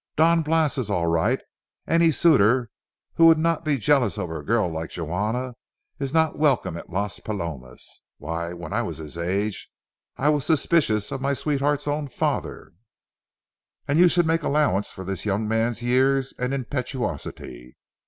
Don Blas is all right; any suitor who would not be jealous over a girl like Juana is not welcome at Las Palomas. Why, when I was his age I was suspicious of my sweetheart's own father, and you should make allowance for this young man's years and impetuosity.